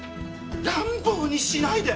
乱暴にしないで！